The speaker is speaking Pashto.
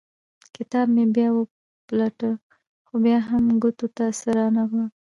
کتاب مې بیا وپلټه خو بیا مې هم ګوتو ته څه رانه غلل.